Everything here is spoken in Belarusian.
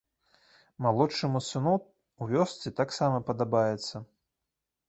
Малодшаму сыну ў вёсцы таксама падабаецца.